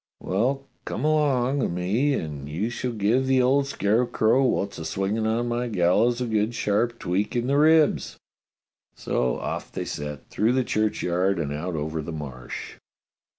"Well, come along o' me and you shall give the old scarecrow wot's a swing on my gallows a good sharp tweak in the ribs." So off they set through the church yard and out over the Marsh.